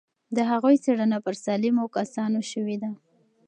د هغوی څېړنه پر سالمو کسانو شوې وه.